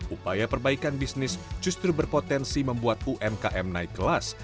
upaya perbaikan bisnis justru berpotensi membuat umkm naik kelas